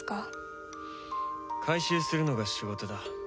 回収するのが仕事だ。